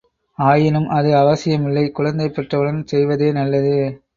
ஆயினும் அது அவசியமில்லை, குழந்தை பெற்றவுடன் செய்வதே நல்லது.